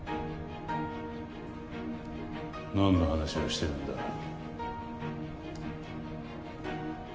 何の話をしてるんだ？